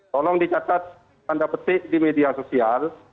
tolong dicatat tanda petik di media sosial